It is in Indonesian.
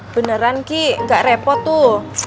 beneran ki gak repot tuh